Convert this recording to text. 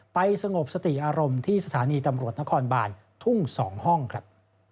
สงบสติอารมณ์ที่สถานีตำรวจนครบานทุ่ง๒ห้องครับ